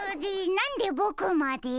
なんでボクまで？